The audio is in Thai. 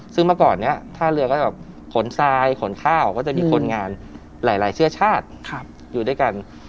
ซึ่งเมื่อก่อนนี้ท่าเรือก็จะแบบขนทรายขนข้าวก็จะมีคนงานหลายเชื้อชาติอยู่ด้วยกัน